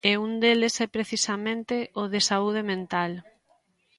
E un deles é precisamente o de saúde mental.